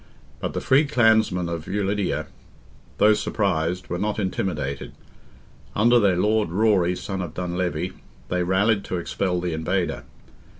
But the free clansmen of Ulidia, though surprised, were not intimidated. Under their lord Rory, son of Dunlevy, they rallied to expel the invader.